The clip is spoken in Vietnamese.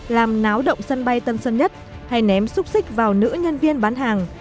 làm náo động sân bay tân sơn nhất hay ném xúc xích vào nữ nhân viên bán hàng